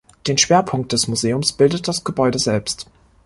Den Schwerpunkt des Museums bildet das Gebäude selbst.